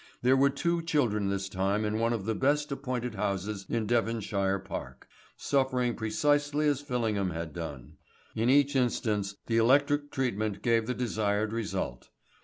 There were two children this time in one of the best appointed houses in Devonshire Park, suffering precisely as Fillingham had done. In each instance the electric treatment gave the desired result.